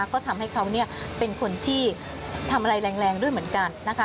ก็ทำให้เขาเป็นคนที่ทำแรงด้วยเหมือนกัน